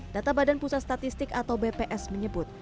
data badan pusat statistik atau bps menyebut